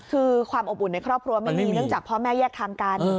คือความอบอุ่นในครอบครัวไม่มีเนื่องจากพ่อแม่แยกทางกัน